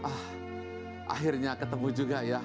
ah akhirnya ketemu juga ya